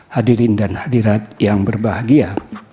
hadirin dan hadirat yang berbahagia